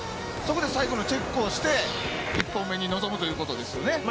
そこで最後のチェックをして１本目に臨むということですね。